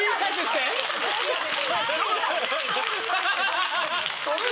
ハハハハ。